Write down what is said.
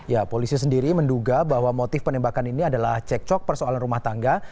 ya polisi sendiri menduga bahwa motif penembakan ini adalah cekcok persoalan rumah tangga